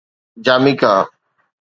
Jamaica